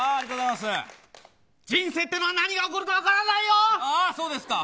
人生ってものは何が起きるか分からないよ。